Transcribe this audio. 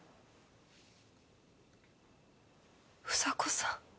房子さん。